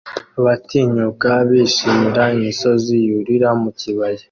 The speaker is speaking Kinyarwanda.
Abatinyuka bishimira imisozi yurira mu kibaya